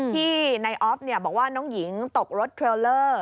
ที่นายออฟบอกว่าน้องหญิงตกรถเทรลเลอร์